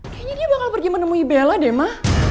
kayanya dia bakal pergi menemui bella deh ma